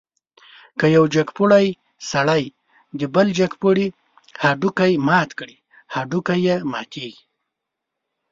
که یو جګپوړی سړی د بل جګپوړي هډوکی مات کړي، هډوکی یې ماتېږي.